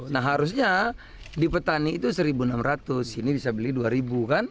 nah harusnya di petani itu rp satu enam ratus ini bisa beli rp dua kan